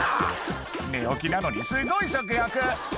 寝起きなのにすごい食欲